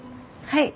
はい。